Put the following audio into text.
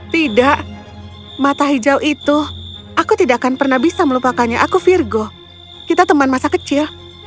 tidak mata hijau itu aku tidak akan pernah bisa melupakannya aku virgo kita teman masa kecil